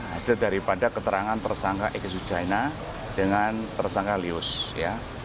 hasil daripada keterangan tersangka egy sujana dengan tersangka lius ya